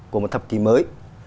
của một thập kỷ mới